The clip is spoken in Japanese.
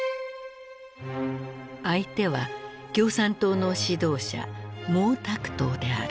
相手は共産党の指導者毛沢東である。